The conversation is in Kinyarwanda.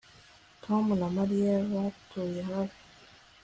Tom na Mariya batuye hafi